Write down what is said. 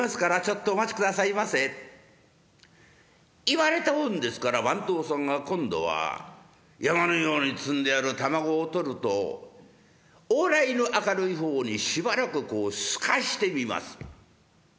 言われたもんですから番頭さんが今度は山のように積んである玉子を取ると往来の明るい方にしばらくこう透かして見ます。